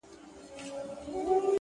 د عمل اغېز تر خبرو ژور وي.!